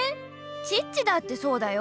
チッチだってそうだよ。